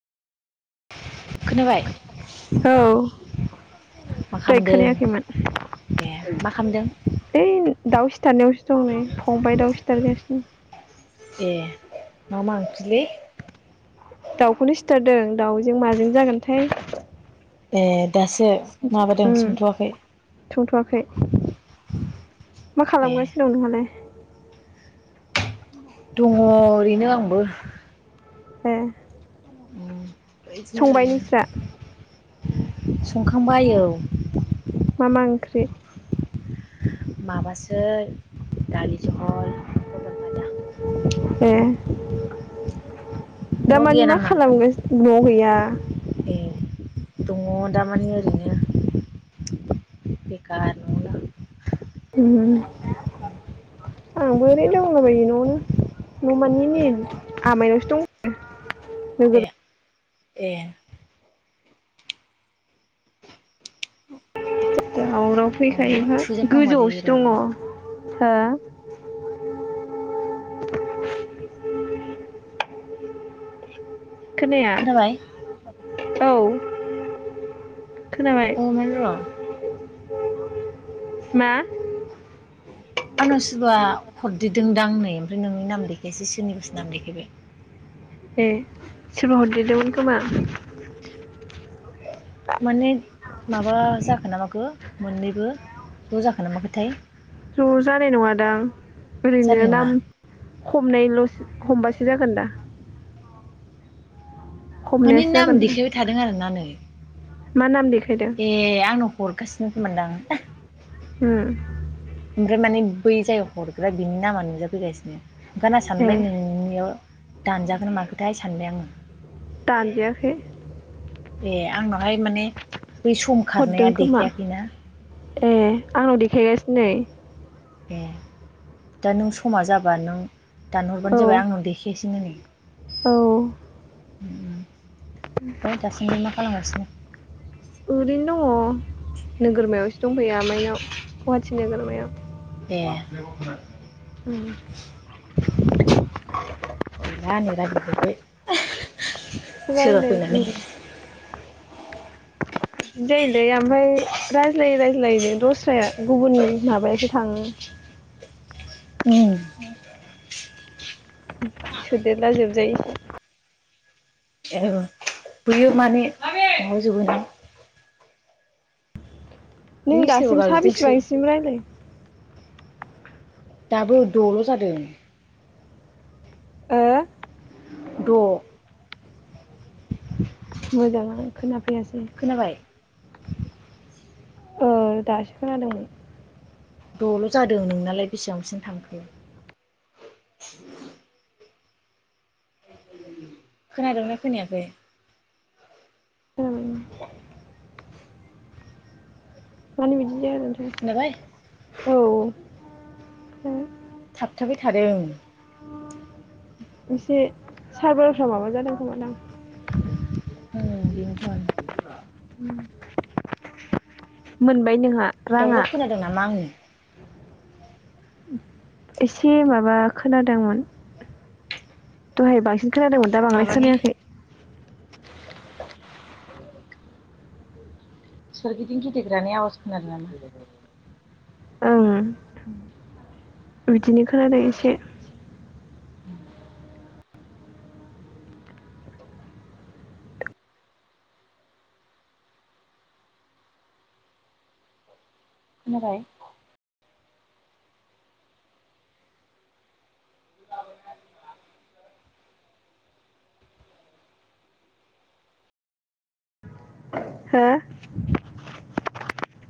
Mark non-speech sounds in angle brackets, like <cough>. खोनाबाय <unintelligible> औ मा दाय खालामदों खोनायाखैमोन ए मा खालामदों ओइ दाउ सिथारनायावसो दं नै फंबबाय दाउ सिथारगासिनो ए मा मा ओख्रिलै दाउखौनो सिथारदों दाउजों माजों जागोनथाय ए दासो माबादों ओ संथ'वाखै संथवाखै मा ए खालामगासिनो दं नोंहालाय दंङ ओरैनो आंबो ए उम संबाय नोंस्रा बायदिनो संखांबायो औ मा-मा ओंख्रि माबासो दालि भ भाजा ए न'आव दामानि गैया मा नामा खालामगोन नआव गैया दंङ दामाने ओरैनो बेकार नंला <unintelligible> आंबो आरैनो दंला बायो न आवनो न ए माने आमायनाव <unintelligible> ए ए <unintelligible> उनाव माबा फैखायो <unintelligible> थुजाफ्लांबायलै गोजौआवसो र' दङ। र' हो? खोनाया खोनाबाय औ । खोनाबाय अ माने र' । मा? आंनावसोबाव हरदेरदोंदां <unintelligible> देखायबाय <unintelligible> <unintelligible> माने माबा जाखो ना माखो मोननैबो ज' जाखो ना माखोथाय ज' जानाय नङादां ओरैनो जानाय नङा नाम खमनायलस खमनायनायसो जागोन दा । माने हमनायासो जागोन नाम दा देखायबाय थादों आरो ना नै मा नाम देख ए आंनाव हरगासिनोसो मोनदां । उम ओमफ्राय मानो बै जाय हरग्रा बिनि नामा नुजाफैगासिनो । ओंखायनो ए सानबाय नोंनियाव दानजागोन माखोथाय सानबाय आङो । दान जायाखै । ए आंनावहाय माने बै सम खारनाया हरदों खोमा देखायाखैना । ए आंनाव देखायगासिनो नै । ए दा नों समा जाबा नों औ दानहरबानो जाबाय आंनाव देखायासै बिनै <unintelligible> औ । ओमफ्राय दाासान्दि मा खालामगासिनो? ओरिनो दङ । नोगोरमायावसो दंफैया आमाइनाव टि नोगोरमायाव । ए <inaudible> उम <inaudible> गैला निरा गिदिर फै रायलायनो रों बिदिनो जायोलै ओमफाय रायज्लायै रायज्लायैनो दस्राया गुबुन माबायासो थाङो। उम <inaudible> सेदेरला जोबनोसै बायो माने माबाजोबोनो नों सोरबा दासिम सा गाबज्रिदोंसो बिसिबांसिम रायलाय दाबो द'ल' जादों ओ द' <inaudible> मोजांनो खोनाफैयासै। खोनाबाय औ दासो खोनादोंमोन। दल' जादों नोंनालाय बेसेबांसिम थांखो? <inaudible> खोनादोंना खोनायाखै? खोनाबायमोन मानि बिदि खोनाबाय <unintelligible> औ ओ थाबथाबाय थादों। एसे सारबारफ्राव माबा जादों खोमा दां। औ बेनथ' आरो उ मोन नोंहा राङा? दावराव खोनादों नामा आंनि एसे माबा खोनादोंमोन। दहाय बांसिन खोनादोंमोन दा बांद्राय माबानि खोनायाखै। सोरगिदिं गिदिंग्रानि आवाज खोनादों <unintelligible> ओं बिदिनो खोनादों एसे खोनाबाय हो <unintelligible>